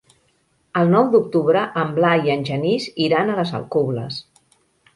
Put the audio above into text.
El nou d'octubre en Blai i en Genís iran a les Alcubles.